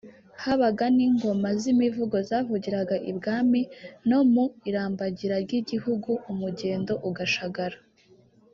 Habaga n’ingoma z’imivugo zavugiraga i Bwami no mu irambagira ry’igihugu Umugendo ugashagara